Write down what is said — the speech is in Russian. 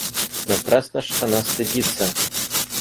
Напрасно ж она стыдится.